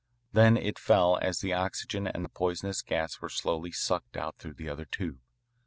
Then it fell as the oxygen and the poisonous gas were slowly sucked out through the other tube.